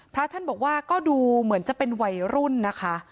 พระท่านบอกว่าก็ดูเหมือนจะเป็นวัยรุ่นนะคะ